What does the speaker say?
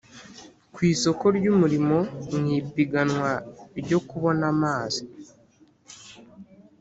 ku isoko ry’umurimo : mu ipiganwa ryo kubona akazi